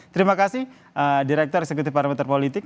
terima kasih direktur eksekutif parameter politik